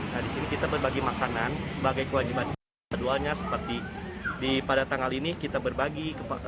nah di sini kita berbagi makanan sebagai kewajiban keduanya seperti pada tanggal ini kita berbagi